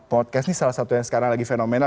podcast ini salah satu yang sekarang lagi fenomena